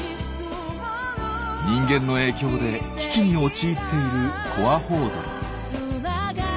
人間の影響で危機に陥っているコアホウドリ。